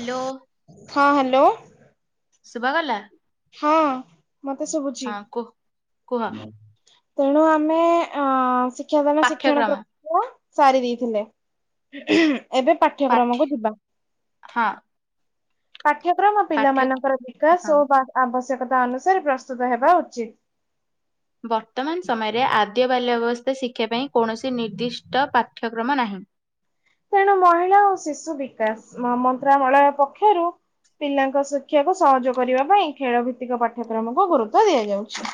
Hello. ହଁ hello. ଶୁଭା ଗଲା? ହଁ ମତେ ଶୁଭୁଛି। କୁହ କୁହ ତେଣୁ ଆମେ ଅ ଶିକ୍ଷାଦାନ ଶିକ୍ଷଣ ପାଠ୍ୟକ୍ରମ ପ୍ରକ୍ରିୟା ସାରି ଦେଇଥିଲେ ଏବେ ପାଠ୍ୟ ପାଠ୍ୟକ୍ରମକୁ ଯିବା। ହଁ ପାଠ୍ୟକ୍ରମ ପାଠ୍ୟ ପିଲାମାନଙ୍କର ହଁ ବିକାଶ ଓ ବା ଆବଶ୍ୟକତା ଅନୁସାରେ ପ୍ରସ୍ତୁତ ହେବା ଉଚିତ। ବର୍ତ୍ତମାନ ସମୟରେ ଆଦ୍ୟ ବାଲ୍ୟାବସ୍ଥା ଶିକ୍ଷା ପାଇଁ କୌଣସି ନିର୍ଦ୍ଦିଷ୍ଟ ପା ପାଠ୍ୟକ୍ରମ ନାହିଁ। ତେଣୁ ମହିଳା ଓ ଶିଶୁ ବିକାଶ ମମନ୍ତ୍ରଣାଳୟ ପକ୍ଷରୁ ପିଲାଙ୍କ ଶିକ୍ଷାକୁ ସହଜ କରିବା ପାଇଁ ଖେଳ ଭିତ୍ତିକ ପାଠ୍ୟକ୍ରମକୁ ଗୁରୁତଵ ଦିଆଯାଉଛି।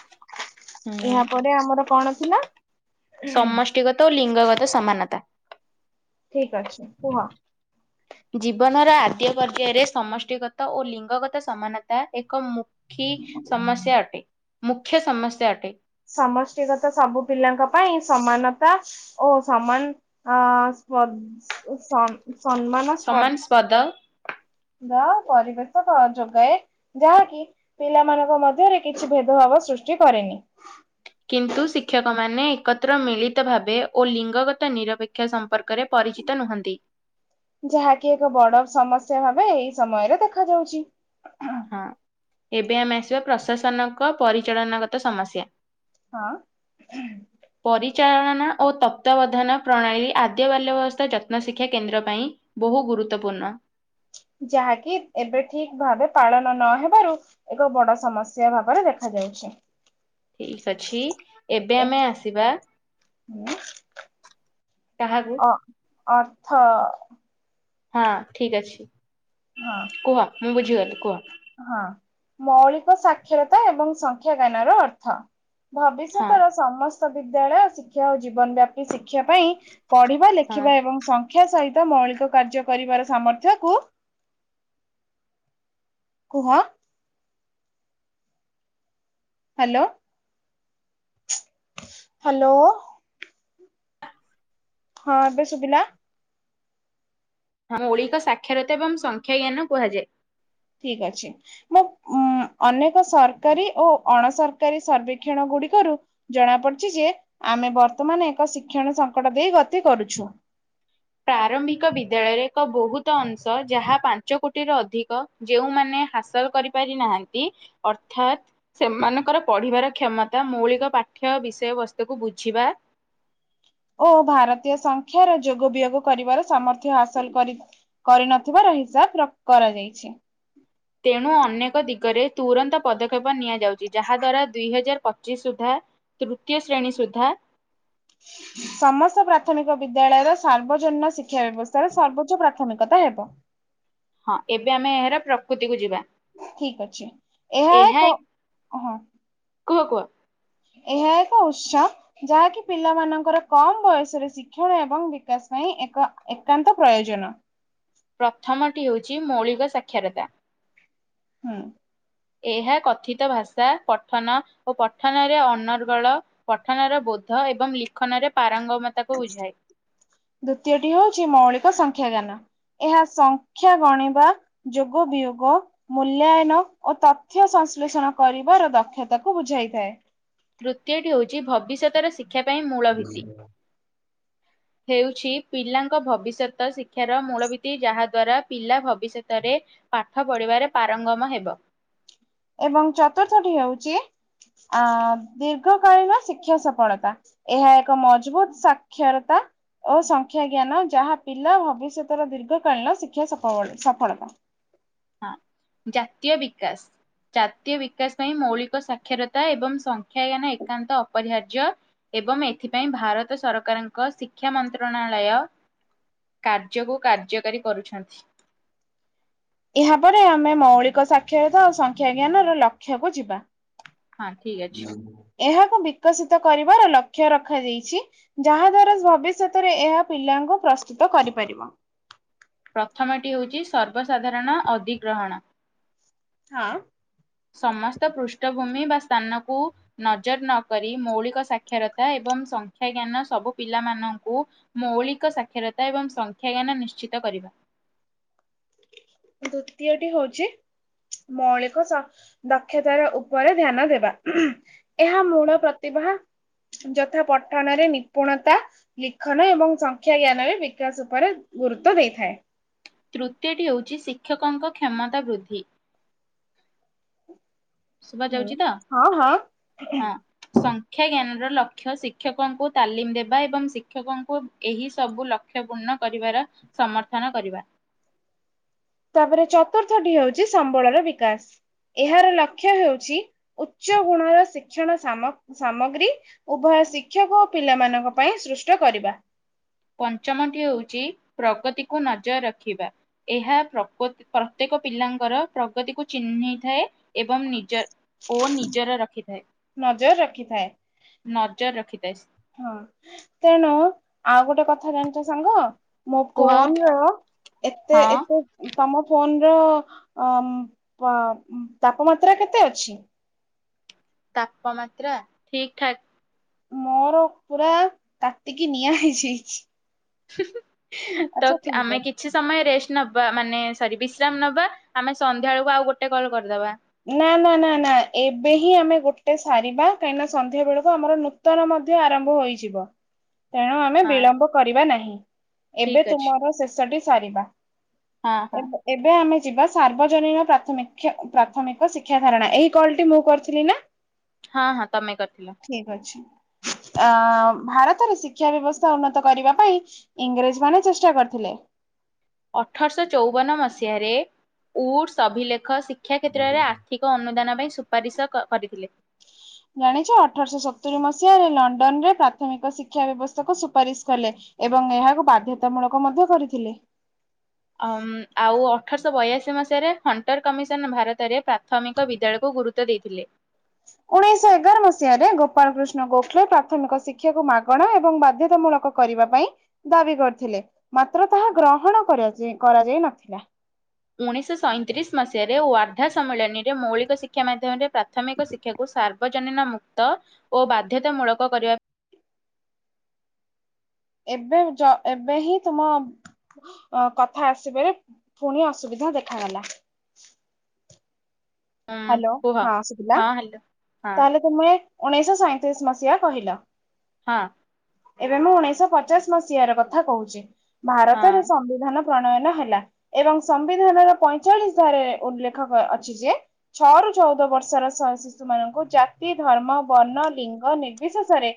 ହୁଁ ଏହା ପରେ ଆମର କଣ ଥିଲା ସମଷ୍ଟିଗତ ଓ ଲିଙ୍ଗଗତ ସମାନତା। ଠିକ୍ ଅଛି କୁହ? ଜୀବନର ଆଦ୍ୟ ପର୍ଯ୍ୟାୟରେ ସମଷ୍ଟିଗତ ଓ ଲିଙ୍ଗଗତ ସମାନତା ଏ ମୁଖୀ ସମସ୍ୟା ଅଟେ ମୁଖ୍ୟ ସମସ୍ୟା ଅଟେ। ସମଷ୍ଟିଗତ ସବୁ ପିଲାଙ୍କ ପାଇଁ ସମାନ ତା ଓ ସମାନ ସ୍ପ ସ୍ପ ସମ୍ମାନ ସମାନ ସ୍ପଟ ସ୍ପଦ ପରିବେଷକ ଯୋଗାଏ ଯାହାକି ପିଲାମାନଙ୍କ ମଧ୍ୟରେ କିଛି ଭେଦଭାବ ସୃଷ୍ଟି କରେନି କିନ୍ତୁ ଶିକ୍ଷକମାନେ ଏକତ୍ର ମିଳିତ ଭାବେ ଓ ଲିଙ୍ଗଗତ ନିରପେକ୍ଷ ସମ୍ପର୍କ ରେ ପରିଚିତ ନୁହନ୍ତି। ଯାହାକି ଏକ ବଡ ସମସ୍ୟା ଭାବେ ଏଇ ସମୟରେ ଦେଖ ଯାଉଛି। ହଁ ଏବେ ଆମେ ଆସିବା ପ୍ରଶାସନଙ୍କ ପରିଚାଳନାଗତ ସମସ୍ୟା। ହଁ। ପରିଚାଳନା ଓ ତତ୍ଵାବଧାନ ପ୍ରଣାଳୀ ଆଦ୍ୟ ବାଲ୍ୟବସ୍ଥା ଯତ୍ନ ଶିକ୍ଷା କେନ୍ଦ୍ର ପାଇଁ ବହୁ ଗୁରୁ ଗୁରୁତ୍ଵପୂର୍ଣ୍ଣ। ଯାହାକି ଏବେ ଠିକ ଭାବେ ପାଳନ ନହବାରୁ ଏକ ବଡ ସମସ୍ୟା ଭାବରେ ଦେଖାାଯଏ। ଯାଉଛି। ଠିକ ଅଛି ଏବେ ଆମେ ଆସିବା କାହାକୁ ଅର୍ଥ ହଁ ଠିକ ଅଛି ହଁ କୁହ ମୁଁ ବୁଝିଗଲି କୁହ। ହଁ ମୌଳିକ ସାକ୍ଷରତା ଏବଂ ସଂଖ୍ୟା ଜ୍ଞାନ ର ଅର୍ଥ। ହଁ ଭବିଷ୍ୟତର ସମସ୍ତ ବିଦ୍ୟାଳୟ ଶିକ୍ଷା ଓ ଜୀବନ ବ୍ୟାପୀ ଶିକ୍ଷା ପାଇଁ ପଢିବା ହଁ ଲେଖିବା ଏବଂ ସଂଖ୍ୟା ସହି ତ ମୌଳିକ କାର୍ଯ୍ୟ କରିବାର ସାମର୍ଥ୍ୟକୁୁ କୁହ? ହ୍ୟାଲୋ। ହ୍ୟାଲୋ। ହଁ ଏବେ ଶୁଭିଲା? ହଁ ମୌଳିକ ସାକ୍ଷରତା ଏବଂ ସଂଖ୍ୟାଜ୍ଞାନ କୁହାଯାଏ। ଠିକ୍ ଅଛି ମୁଁ ଉଁ ଅନେକ ସରକାରୀ ଓ ଅଣସରକାରୀ ସର୍ବେକ୍ଷଣ ଗୁଡିକ କରୁ ଜଣା ପଡିଚି ଯେ ଆମେ ବର୍ତ୍ତମାନ ଏକ ଶିକ୍ଷଣ ସଙ୍କଟ ଦେଇ ଗତି କରୁଛୁ। ପ୍ରାରମ୍ଭିକ ବିଦ୍ୟାଳୟରେ ଏକ ବହୁତ ଅଂଶ ଯାହା ପାଞ୍ଚ କୋଟିର ଅଧିକ ଯେଉଁମାନେ ହାସଲ୍ କରିପାରି ନାହାଁନ୍ତି ଅର୍ଥାତ୍ ସେମାନଙ୍କର ପଢିବାରେ କ୍ଷମତା ମୌଳିକ ପା ପାଠ୍ୟ ବିଷୟବସ୍ତୁକୁ ବୁଝିବା ଓ ଭାରତୀୟ ସଂଖ୍ୟାର ଯୋଗ ବିୟୋଗ କରିବାର ସାମର୍ଥ୍ୟ ହାସଲ କରି କରିନଥିବାର ହିସାବ ରକ୍ କରାଯାଇଛି। ତେଣୁ ଅନେକ ଦିଗରେ ତୁରନ୍ତ ପଦକ୍ଷେପ ନିଆଯାଉଚି ଯାହା ଦ୍ୱାରା ଦୁଇ ହଜାର ପଚିଶ ସୁଦ୍ଧା ତୃତୀୟ ଶ୍ରେଣୀ ସୁଦ୍ଧା ସମସ୍ତ ପ୍ରାଥମିକ ବିଦ୍ୟାଳୟର ସାର୍ବଜନୀନ ଶି କ୍ଷା ବ୍ୟବସ୍ଥାରେ ସର୍ବୋଚ୍ଚ ପ୍ରାଥମିକତା ହେବ। ହଁ ଏବେ ଆମେ ଏହାର ପ୍ରକୁତିକୁୁ ଯିବା। ଠିକ୍ ଅଛି ଏହା ଏକ ହଁ । କୁହ କୁହ। ଏହା ଏକ ଉତ୍ସ ଯାହାକି ପିଲାମାନଙ୍କର କମ୍ ବୟସରେ ଶିକ୍ଷଣ ଏବଂ ବିକାଶ ପାଇଁ ଏକ ଏକାନ୍ତ ପ୍ରୟୋଜନ। ପ୍ରଥମଟି ହେଉଚି ମୌଳିକ ସାକ୍ଷରତା। ହୁଁ। ଏହା କଥିତ ଭାଷା ପଠନ ଓ ପଠନରେ ଅନର୍ଗଳ ପଠନର ବୋ ଧ ଏବଂ ଲିଖନରେ ପା ଦ୍ଵିତୀୟଟି ହଉଚି ମୌଳିକ ସଂଖ୍ୟା ଜ୍ଞାନ। ଏହା ସଂଖ୍ୟା ଗଣିବା, ଯୋଗ ବିୟୋଗ, ମୂଲ୍ୟାୟନ ଓ ତଥ୍ୟ ସଂଶ୍ଳେଷଣ କରିବାର ଦକ୍ଷତାକୁ ବୁଝାଇଥାଏ। ତୃତୀୟଟି ହେଉଚି ଭବିଷ୍ୟତରେ ଶିକ୍ଷା ପାଇଁ ମୂଳ ଭିତ୍ତି । ହେଉଚି ପିଲାଙ୍କ ଭବିଷ୍ୟତ ଶିକ୍ଷାର ମୂଳ ଭିତ୍ତି ଯାହା ଦ୍ଵାରା ପିଲା ଭବିଷ୍ୟତରେ ପାଠ ପଢିବାରେ ପାରଙ୍ଗମ ହେବ। ଏବଂ ଚତୁର୍ଥଟି ହେଉଚି ଆ ଦୀର୍ଘକାଳୀନ ଶିକ୍ଷା ସଫଳତା ଏହା ଏକ ମଜବୁତ୍ ସାକ୍ଷରତା । ଓ ସଂଖ୍ୟା ଜ୍ଞାନ ଯାହା ପିଲା ଭବିଷ୍ୟତର ଦୀର୍ଘକାଳୀନ ଶିକ୍ଷା ସଫଳ ସଫଳତା । ହଁ ଜାତୀୟ ବିକାଶ୍। ଜାତୀୟ ବିକାଶ ପାଇଁ ମୌଳିକ ସାକ୍ଷରତା ଏବଂ ସଂଖ୍ୟାଜ୍ଞାନ ଏକାନ୍ତ ଅପରିହାର୍ଯ୍ୟ। ଏବମ୍ ଏଥିପାଇଁ ଭାରତ ସରକାରଙ୍କ ଶିକ୍ଷା ମନ୍ତ୍ରଣାଳାୟ କାର୍ଯ୍ୟକୁ କାର୍ଯ୍ୟକାରୀ କରୁଛନ୍ତି । ଏହାପରେ ଆମେ ମୌଳିକ ସାକ୍ଷରତା ଆଉ ସଂଖ୍ୟା ଜ୍ଞାନରେ ଲକ୍ଷକୁ ଯିବା । ହଁ ଠିକ୍ ଅଛି । ଏହାକୁ ବିକଶିତ କରିବାର ଲକ୍ଷ ରଖାଯାଇଚି ଯାହା ଦ୍ଵାରା ଭବିଷ୍ୟତରେ ଏହା ପିଲା ତାଙ୍କୁ ପ୍ରସ୍ତୁତ କରିପାରିବ । ପ୍ରଥମଟି ହଉଚି ସର୍ବସାଧାରଣ ଅଦିଗ୍ରହଣ। ହଁ । ସମସ୍ତ ପୃଷ୍ଠଭୂମି ବା ସ୍ଥାନ । କୁ ନଜର ନକରି ମୌଳିକ ସାକ୍ଷରତା ଏବଂ ସଂଖ୍ୟାଜ୍ଞାନ ସବୁ ପିଲାମାନଙ୍କୁ ମୌଳିକ ସାକ୍ଷରତା ଏବଂ ସଂଖ୍ୟାଜ୍ଞାନ ନିଶ୍ଚିତ କରିବା। ଦ୍ଵିତୀୟଟି ହଉଚି ମୌଳିକ ସ ଦକ୍ଷତାର ଉପରେ ଧ୍ୟାନ ଦେବା, ଏହା ମୂଳ ପ୍ରତି ହା ଯଥା ପଠନରେ ନିପୁଣତା ଲିଖନ ଏବଂ ସଂଖ୍ୟା ଜ୍ଞାନରେ ବିକାଶ ଉପରେ ଗୁରୁତ୍ୱ ଦେଇଥାଏ। ତୃତୀୟଟି ହେଉଚି ଶିକ୍ଷକଙ୍କ କ୍ଷମତା ବୃଦ୍ଧି। ଶୁଭା ହୁଁ। ଯାଉଚି ତ, ହଁ ହଁ ହଁ ସଂଖ୍ୟା ଜ୍ଞାନ ର ଲକ୍ଷ୍ୟ ଶିକ୍ଷକଙ୍କୁ ତାଲିମ ଦେବା ଏବଂ ଶିକ୍ଷକଙ୍କୁ ଏହି ସବୁ ଲକ୍ଷ୍ୟ ପୂର୍ଣ୍ଣ କରିବାର ସମର୍ଥନ କରିବା। ତାପରେ ଚତୁର୍ଥ ଟି ହଉଚି ସମ୍ବଳର ବିକାଶ। ଏହାର ଲକ୍ଷ୍ୟ ହେଉଚି ଉଚ୍ଚ ଗୁଣର ଶିକ୍ଷଣ ସାମ ସାମଗ୍ରୀ ଉଭୟ ଶିକ୍ଷକ ଓ ପିଲାମାନଙ୍କ ପାଇଁ ସୃଷ୍ଟ କରିବା। ପଞ୍ଚମଟି ହେଉଚି ପ୍ରଗତିକୁ ନଜର ରଖିବା, ଏହା ପ୍ରପ ପ୍ରତ୍ୟେକ ପିଲାଙ୍କର ପ୍ରଗତିକୁ ଚିହ୍ନିଥାଏ ଏବଂ ନିଜ ଓ ନିଜର ରଖି ନଜର ରଖିଥାଏ। ନଜର ରଖିଥାଏ। ହଁ ତେଣୁ ଆଉ ଗୋଟେ କଥ ଥା ଜାଣିଚ ସାଙ୍ଗ ମୋ କୁହ ଫୋନ ର ଏତେ ହଁ ଏତେ ତମ ଫୋନ ର ଅ-ପ ତାପମାତ୍ରା କେତେ ଅଛି? ତାପମାତ୍ରା ଠିକ ଠାକ। ମୋର ପୁରା ତାତିକି ନିଆଁ ହେଇଯାଇଚି। ତ ଅଛି। ଆମେ କିଛି ସମୟ ରେଷ୍ଟ ନବା, ମାନେ ସରି ବିଶ୍ରାମ ନବା ଆମେ ସନ୍ଧ୍ୟା ବେଳକୁ ଆଉ ଗୋଟେ କଲ କରିଦବା। ନା ନା ନା ନା ଏବେ ହିଁ ଆମେ ଗୋଟେ ସାରିବା କାହିଁକିନା ସନ୍ଧ୍ୟା ବେଳକୁ ଆମର ନୂତନ ମଧ୍ୟ ଆରମ୍ଭ ହୋଇଯିବ। ତେଣୁ ଆମେ ହଁ ବିଳମ୍ବ କରିବା ନାହିଁ, ଏବେ ଠିକ ଅଛି ତୁମର ଶେଷଟି ସାରିବା। ହଁ ହଁ ଏବ ଏବେ ଆମେ ଯିବା ସାର୍ବଜନୀନ ପ୍ରାଥମିକ୍ଷ ପ୍ରା ପ୍ରାଥମିକ ଶିକ୍ଷା ଧାରଣା, ଏଇ କଲ ଟି ମୁଁ କରିଥିଲି ନା? ହଁ ହଁ ତମେ କରିଥିଲ। [inaudible] ଅ ଭାରତରେ ଶିକ୍ଷା ବ୍ୟବସ୍ଥା ଉନ୍ନତ କରିବା ପାଇଁ ଇଂରେଜ ମାନେ ଚେଷ୍ଟା କରିଥିଲେ। ଅଠରଶହ ଚଉବନ ମସିହାରେ ଉଡସ ଅଭିଲେଖ ଶିକ୍ଷ ଶିକ୍ଷା କ୍ଷେତ୍ରରେ ଆର୍ଥିକ ଅନୁଦାନ ପାଇଁ ସୁପାରିଶ କ କରିଥିଲେ। ଜାଣିଚ ଅଠରଶହ ସତୁରି ମସିହାରେ ଲଣ୍ଡନ ରେ ପ୍ରାଥମିକ ଶିକ୍ଷା ବ୍ୟବସ୍ଥା କୁ ସୁପାରିଶ କଲେ। ଏବଂ ଏହାକୁ ବାଧ୍ୟତାମୂଳକ ମଧ୍ୟ କରିଥିଲେ। [inaudible] ଆମ୍ ଆଉ ଅଠରଶହ ବୟାଶୀ ମସିହାରେ ହଣ୍ଟର କମିଶନ ଭାରତରେ ପ୍ରାଥମିକ ବିଦ୍ୟାଳୟକୁ ଗୁରୁତ୍ୱ ଦେଇଥିଲେ। ଉଣେଇଶ ଏଗାର ମସିହାରେ ଗୋପାଳକୃଷ୍ଣ ଗୋଖଲେ ପ୍ରାଥମିକ ଶିକ୍ଷାକୁ ମାଗଣା ଏବଂ ବାଧ୍ୟତା ମୂଳକ କରିବା ପାଇଁ ଦାବି କରିଥିଲେ, ମାତ୍ର ତାହା ଗ୍ରହଣ କରାଯାଇ କରାଯାଇ ନଥିଲା ଉଣେଇଶହ ସଇଁତିରିଶ ମସିହାରେ ୱାର୍ଦ୍ଧା ସମ୍ମିଳନୀ ମୌଳିକ ଶିକ୍ଷା ମାଧ୍ୟମରେ ପ୍ରାଥମିକ ଶିକ୍ଷାକୁ ସାର୍ ଆର୍ବଜନିନ ମୁକ୍ତ ଓ ବାଧ୍ୟତାମୂଳକ କରିବା ଏବେ ଜ ଏବେ ହିଁ ତୁମ କଥା ଆସିବାରେ ପୁଣି ଅସୁବିଧା ବ ଦେଖାଗଲା। ଉଁ ହ୍ୟାଲୋ କୁହ ହଁ ସୁଭିଲା, ହଁ ହ୍ୟାଲୋ ହଁ ତାହଲେ ତୁମେ ଉଣେଇଶ ସଇଁତିରିଶ ମସିହା କହିଲ? ହଁ। ଏବେ ମୁଁ ଉଣେଇଶଶ ପଚାଶ ମସିହ ର କଥା କହୁଛି ହଁ ଭାରତରେ ସମ୍ବିଧାନ ପ୍ରଣୟନ ହେଲା ଏବଂ ସମ୍ବିଧାନର ପଇଁଚାଳିଶ ଧାର ଉଲ୍ଲେଖ ଅଛି ଯେ ଛଅ ରୁ ଚଉଦ ବର୍ଷର ଶିଶୁ ମାନଙ୍କୁ ଜାତି ଧର୍ମ ବର୍ଣ୍ଣ ଲିଙ୍ଗ ନିର୍ବିଶେଷରେ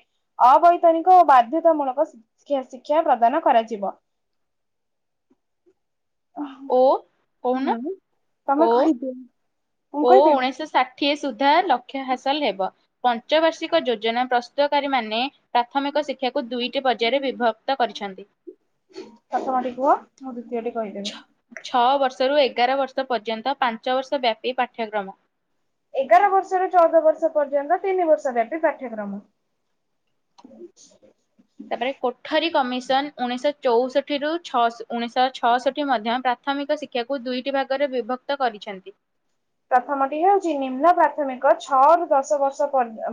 ଅବୈତନିକ ଓ ବାଧ୍ୟତାମୂଳକ ଶିକ୍ଷା ପ୍ରଦାନ କରାଯିବ ଓ କହୁନ ହୁଁ ଓ ତମେ କହିଦିଅ ମୁଁ ଓ କହିଦେବି ଉଣେଇଶହ ଷାଠିଏ ଠ ସୁଧାର ଲକ୍ଷ୍ୟ ହାସଲ ହେବ ପଞ୍ଚ ବାର୍ଷିକ ଯୋଜନା ପ୍ରସ୍ତୁତକାରୀ ମାନେ ପ୍ରାଥମିକ ଶିକ୍ଷାକୁ ଦୁଇଟି ପର୍ଯ୍ୟାୟରେ ବିଭକ୍ତ କରିଛନ୍ତି। ପୁହ ମୁଁ ଦ୍ଵିତୀୟଟି କହିଦେବି ଛଅ ବର୍ଷରୁ ଏଗାର ବର୍ଷ ପର୍ଯ୍ୟନ୍ତ ପାଞ୍ଚ ବର୍ଷ ବ୍ୟାପୀ ପାଠ୍ୟକ୍ରମ ଏଗାର ବର୍ଷରୁ ଚଉଦ ବର୍ଷ ପର୍ଯ୍ୟନ୍ତ ତିନି ବର୍ଷ ବ୍ୟାପୀ ପାଠ୍ୟକ୍ରମ ଆ ତାପରେ କୋଠରୀ କମିଶନ ଉଣେଇଶ ଚଉଷଠି ର ଛ ଉଣେଇଶହ ଛଅଷଠି ମଧ୍ୟ ପ୍ରାଥମିକ ଶିକ୍ଷାକୁ ଦୁଇଟି ଭାଗରେ ବିଭକ୍ତ କରି ଅଛନ୍ତି। ପ୍ରଥମଟି ହଉଛି ନିମ୍ନ ପ୍ରାଥମିକ ଛଅରୁୁ ଦଶ ବର୍ଷ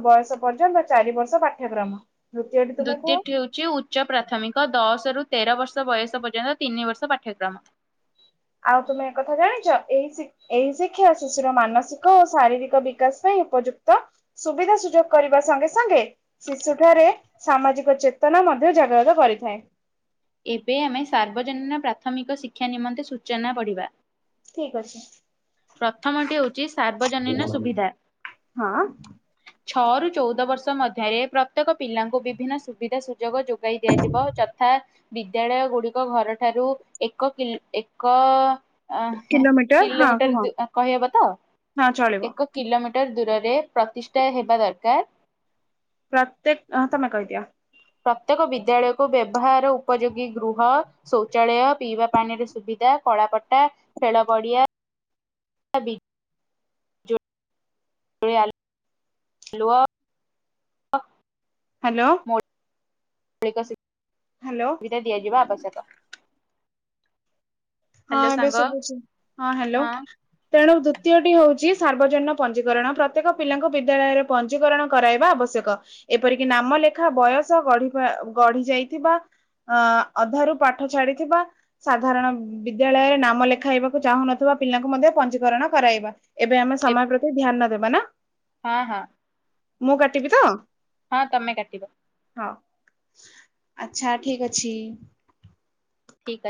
ବୟସ ପର୍ଯ୍ୟନ୍ତ ବା ଚାରି ବର୍ଷ ପାଠ୍ୟକ୍ରମ ଦ୍ଵିତୀୟଟି ତୁମେ କୁହ? ଦ୍ଵିତୀୟ ହେଉଛି ଉଚ୍ଚ ପ୍ରାଥମିକ ଦଶ ରୁ ତେର ବର୍ଷ ବୟସ ପର୍ଯ୍ୟନ୍ତ ତିନି ବର୍ଷ ପାଠ୍ୟକ୍ରମ ଆଉ ତୁମେ ଏକଥା ଜାଣିଛ ଏଇ ଏଇ ଶିକ୍ଷା ଶିଶୁର ମାନସିକ ଓ ଶାରୀରିକ ବିକାଶ ପାଇଁ ଉପଯୁକ୍ତ ସୁବିଧା ସୁଯୋଗ କରିବା ସଙ୍ଗେ ସଙ୍ଗେ ଶିଶୁଠାରେ ସାମାଜିକ ଚେତନା ମଧ୍ୟ ଜାଗରତ କରିଥାଏ। ଏବେ ଆମେ ସାର୍ବଜନୀନ ପ୍ରାଥମିକ ଶିକ୍ଷା ନିମନ୍ତେ ସୂଚନା ପଢିବା ଠିକ ଅଛି। ପ୍ରଥମଟି ହଉଛି ସାର୍ବଜନୀନ ସୁବିଧା ହଁ ଛଅରୁୁ ଚଉଦ ବର୍ଷ ମଧ୍ୟରେ ପ୍ରତ୍ୟେକ ପିଲାଙ୍କୁ ବିଭିନ୍ନ ସୁବିଧା ସୁଯୋଗ ଯୋଗାଇ ଦିଆଯିବ ଯଥା ଥା ବିଦ୍ୟାଳୟ ଗୁଡିକ ଘର ଠାରୁ ଏକ ଏକ ଅ କିଲୋମିଟର ହଁ କୁହ। କିଲୋମିଟର କହିହେବ ତ ହଁ ଚଳିବ ଏକ କିଲୋମିଟର ଦୂରରେ ପ୍ରତିଷ୍ଠା ହେବା ଦରକାର ପ୍ରତ୍ୟେକ ତମ କହି ଦିଆ ପ୍ରତ୍ୟେକ ବିଦ୍ୟାଳୟକୁ ବ୍ୟବହାର ଉପଯୋଗୀ ଗୃହ ଶୌଚାଳୟ ପିଇବା ପାଣିରେ ସୁବିଧା କଳାପଟା ଖେଳ ପଡିଆ ସବି ହଲ ହ୍ୟାଲୋ! ହ୍ୟାଲୋ ସୁବିଧା ଦିଆଯିବା ଆପସକୁ ହଁ ଏବେ ସାଙ୍ଗ ସୁବୁଛି ହଁ ହ୍ୟାଲୋ ତେଣୁ ଦୃିତୀୟଟି ହଉଛି ସାର୍ବଜନୀନ ପଞ୍ଜିକରଣ ପ୍ରତ୍ୟେକ ପିଲାଙ୍କୁ ବିଦ୍ୟାଳୟରେ ପଞ୍ଜିକରଣ କରାଇବା ଆବଶ୍ୟକ। ଏପରିକି ନାମ ଲେଖା ବୟସ ଗଡିବା ଗଢି ଯାଇଥିବା। ଅ ଅଧାରୁ ପାଠ ଛାଡିଥିବା ସାଧାରଣ ବିଦ୍ୟାଳୟରେ ନାମ ଲେଖାଇବାକୁ ଚାହୁଁନଥିବା ପିଲାଙ୍କୁ ମଧ୍ୟ ପଞ୍ଜୀକରଣ କରାଇବା। ଏବେ ଆମେ ଏବ୍ ସମୟ ପ୍ରତି ଧ୍ୟାନ ଦେବା ନାଁ। ହଁ ହଁ। ମୁଁ କାଟିବି ତ ହଁ ତମେ କାଟିବ। ହଁ ଆଚ୍ଛା ଠିକ ଅଛି। ଠିକ ଅ